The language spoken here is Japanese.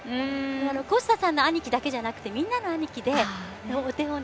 小須田さんの兄貴だけじゃなくてみんなの兄貴で、お手本で。